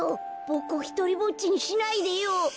ボクをひとりぼっちにしないでよ。